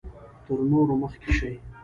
تر نورو مخکې شي.